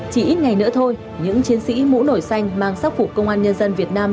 chỉ ít ngày nữa thôi những chiến sĩ mũ nổi xanh mang sắc phục công an nhân dân việt nam